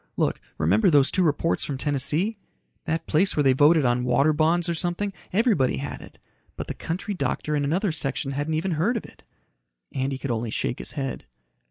Look, remember those two reports from Tennessee? That place where they voted on water bonds or something, everybody had it. But the country doctor in another section hadn't even heard of it." Andy could only shake his head.